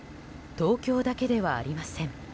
東京だけではありません。